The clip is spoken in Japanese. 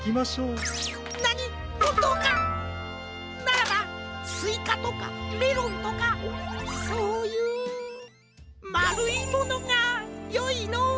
ならばすいかとかメロンとかそういうまるいものがよいのう。